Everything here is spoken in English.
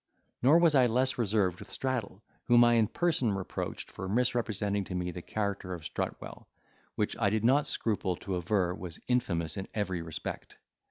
Nor was I less reserved with Straddle, whom I in person reproached for misrepresenting to me the character of Strutwell, which I did not scruple to aver was infamous in every respect.